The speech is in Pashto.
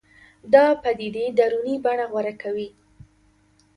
دا پدیدې دروني بڼه غوره کوي